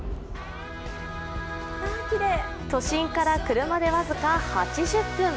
都心から車で僅か８０分。